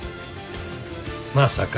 まさか。